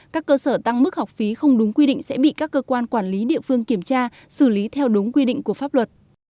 các cơ sở tăng mức học phí không đúng quy định sẽ bị các cơ quan quản lý địa phương kiểm tra xử lý theo đúng quy định của pháp luật